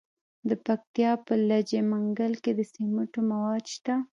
د پکتیا په لجه منګل کې د سمنټو مواد شته.